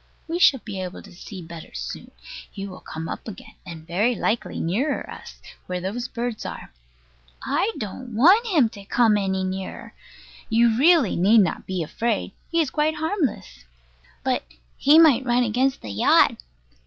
We shall be able to see better soon. He will come up again, and very likely nearer us, where those birds are. I don't want him to come any nearer. You really need not be afraid. He is quite harmless. But he might run against the yacht.